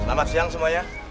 selamat siang semuanya